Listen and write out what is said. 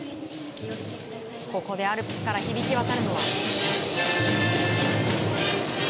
ここでアルプスから響き渡るのは。